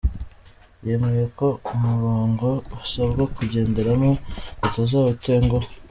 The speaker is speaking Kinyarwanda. Yemeye ko umurongo basabwa kugenderamo batazawutenguha.